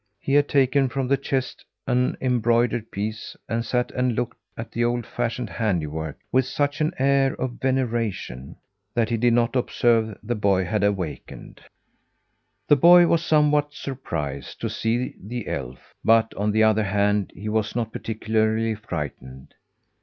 He had taken from the chest an embroidered piece, and sat and looked at the old fashioned handiwork with such an air of veneration, that he did not observe the boy had awakened. The boy was somewhat surprised to see the elf, but, on the other hand, he was not particularly frightened.